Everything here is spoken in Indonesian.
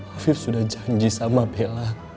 afif sudah janji sama bella